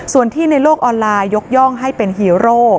ส่วนที่ในโลกออนไลน์ยกย่องให้เป็นฮีโร่